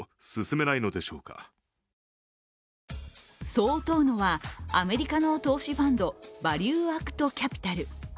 そう問うのは、アメリカの投資ファンド、バリューアクト・キャピタル。